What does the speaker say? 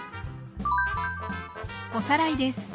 おさらいです。